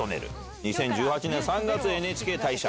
２０１８年３月ＮＨＫ退社。